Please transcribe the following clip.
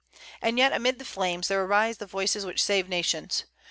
And yet amid the flames there arise the voices which save nations.